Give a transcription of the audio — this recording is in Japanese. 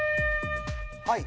はい。